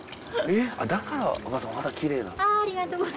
だからお母さんお肌きれいなんですね。